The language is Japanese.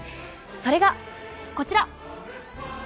それが、こちら。